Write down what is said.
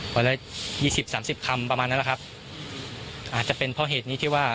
วันละยี่สิบสามสิบคำประมาณนั้นแหละครับอาจจะเป็นเพราะเหตุนี้ที่ว่า